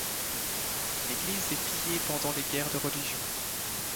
L'église est pillée pendant les guerres de religion.